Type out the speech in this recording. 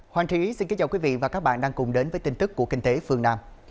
hoàng trí xin kính chào quý vị và các bạn đang cùng đến với tin tức của kinh tế phương nam